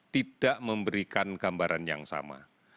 tidak memberikan gambaran yang sama